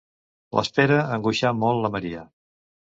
L'espera angoixà molt la Maria.